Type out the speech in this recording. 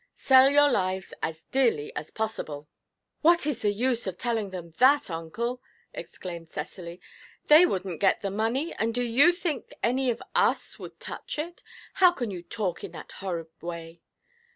'Sell your lives as dearly as possible.' 'What is the use of telling them that, uncle?' exclaimed Cecily. 'They wouldn't get the money; and do you think any of us would touch it? How can you talk in that horrid way?